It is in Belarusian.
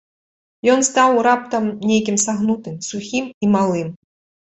Ён стаў раптам нейкім сагнутым, сухім і малым.